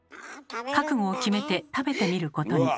覚悟を決めて食べてみることに。